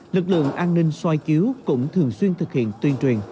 lực lượng an ninh xoay chiếu cũng thường xuyên thực hiện tuyên truyền